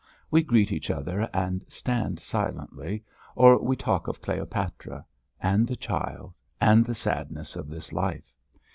We greet each other and stand silently, or we talk of Cleopatra, and the child, and the sadness of this life.